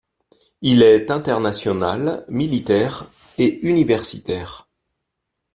Il est International militaire et universitaire.